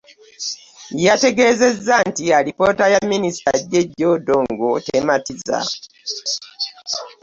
Yategeezezza nti alipoota ya Minisita Jeje Odongo tematiza